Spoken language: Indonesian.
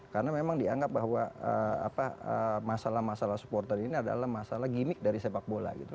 karena memang dianggap bahwa eee apa eee masalah masalah supporter ini adalah masalah gimmick dari sepak bola gitu